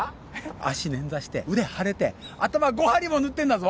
足ねんざして腕腫れて頭５針も縫ってんだぞ！